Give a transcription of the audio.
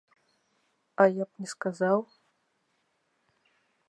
А я б не сказаў.